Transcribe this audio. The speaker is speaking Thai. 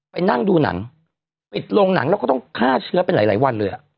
ไปนั่งดูหนังปิดโรงหนังแล้วก็ต้องฆ่าเชื้อไปหลายวันเลย